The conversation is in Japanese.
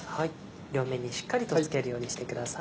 両面にしっかりと付けるようにしてください。